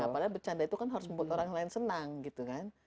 padahal bercanda itu kan harus membuat orang lain senang gitu kan